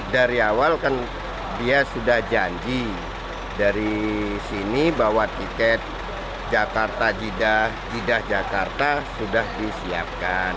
dari awal kan dia sudah janji dari sini bahwa tiket jakarta jidah jakarta sudah disiapkan